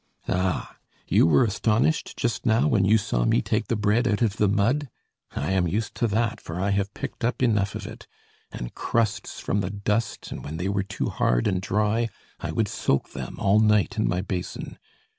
Ah! you were astonished just now when you saw me take the bread out of the mud? I am used to that for I have picked up enough of it; and crusts from the dust, and when they were too hard and dry, I would soak them all night in my basin.